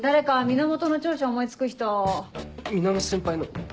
源先輩の？